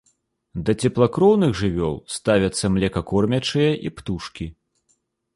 Да цеплакроўных жывёл ставяцца млекакормячыя і птушкі.